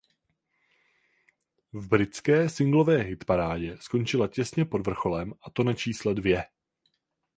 V britské singlové hitparádě skončila těsně pod vrcholem a to na čísle dvě.